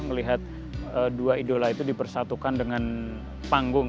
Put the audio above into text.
melihat dua idola itu dipersatukan dengan panggung